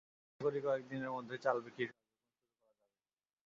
আশা করি কয়েক দিনের মধ্যেই চাল বিক্রির কার্যক্রম শুরু করা যাবে।